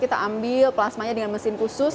kita ambil plasmanya dengan mesin khusus